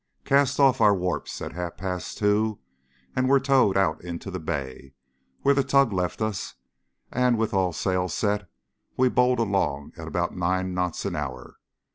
Cast off our warps at half past two and were towed out into the bay, where the tug left us, and with all sail set we bowled along at about nine knots an hour.